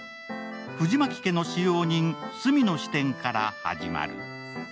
藤巻家の使用人・スミの視点から始まる。